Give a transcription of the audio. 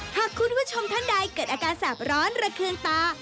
หากคุณผู้ชมท่านใดเกิดอาการแสบร้อนระคืนตา